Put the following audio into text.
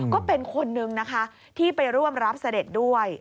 ก็เป็นคนนึงนะคะที่ไปร่วมรับเสด็จด้วย